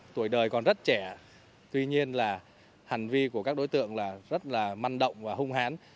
tuổi đời còn rất trẻ tuy nhiên là hành vi của các đối tượng là rất là măn động và hung hán